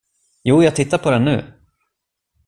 Jo, jag tittar på den nu.